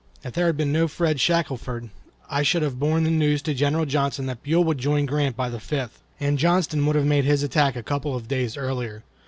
If there had been no Fred Shackelford I should have borne the news to General Johnston that Buell would join Grant by the fifth, and Johnston would have made his attack a couple of days earlier.